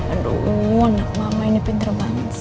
aduh anak mama ini pinter banget sih